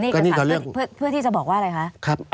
เพื่อที่จะบอกว่าอะไรครับ